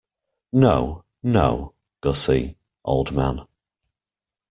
No, no, Gussie, old man.